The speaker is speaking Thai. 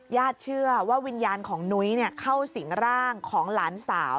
ญาติเชื่อว่าวิญญาณของนุ้ยเข้าสิงร่างของหลานสาว